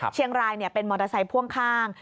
เชียงรายเป็นมอเตอร์ไซค์พ่วงข้าง